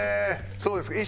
そうですか。